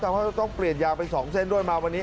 ว่าจะต้องเปลี่ยนยางไป๒เส้นด้วยมาวันนี้